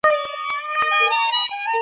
چي په کلي په مالت کي وو ښاغلی.